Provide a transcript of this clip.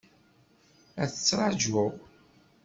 Ad ttraǧuɣ.